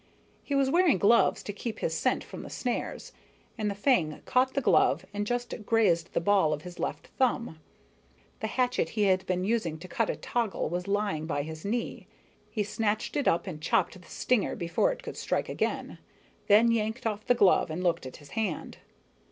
He was wearing gloves to keep his scent from the snares, and the fang caught the glove and just grazed the ball of his left thumb. The hatchet he had been using to cut a toggle was lying by his knee. He snatched it up and chopped the stinger before it could strike again, then yanked off the glove and looked at his hand.